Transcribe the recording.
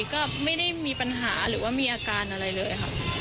ก็ไม่ได้มีปัญหาหรือว่ามีอาการอะไรเลยค่ะ